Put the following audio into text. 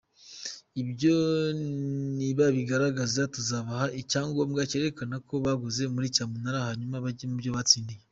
Ibyo nibabirangiza tuzabaha icyangombwa cyerekana ko baguze muri cyamunara hanyuma bajye mu byo batsindiye.